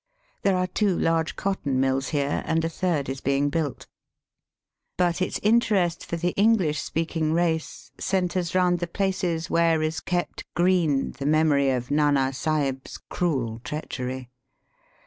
There are two large cotton mills here, and a third is being built. But its interest for the Enghsh speaking race centres round the places where Digitized by VjOOQIC 256 EAST BY WEST, is kept green the memory of Nana Sahib's cruel treachery.